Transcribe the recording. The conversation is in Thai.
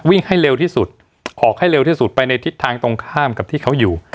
ให้เร็วที่สุดออกให้เร็วที่สุดไปในทิศทางตรงข้ามกับที่เขาอยู่